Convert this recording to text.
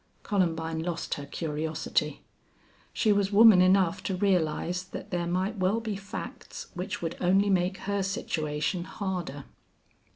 Columbine lost her curiosity. She was woman enough to realize that there might well be facts which would only make her situation harder.